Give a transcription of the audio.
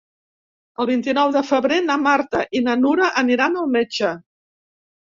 El vint-i-nou de febrer na Marta i na Nura aniran al metge.